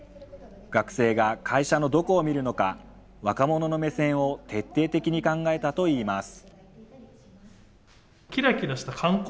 学生が会社のどこを見るのか、若者の目線を徹底的に考えたといいます。